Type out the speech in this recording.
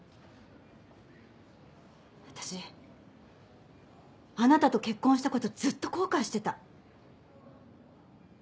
私あなたと結婚したことずっと後悔してた。